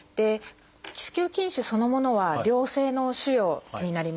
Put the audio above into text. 子宮筋腫そのものは良性の腫瘍になります。